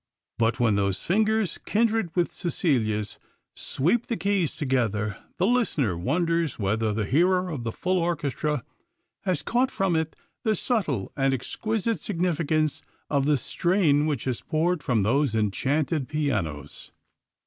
But when those fingers kindred with Cecilia's sweep the keys together, the listener wonders whether the hearer of the full orchestra has caught from it the subtle and exquisite significance of the strain which has poured from those enchanted pianos.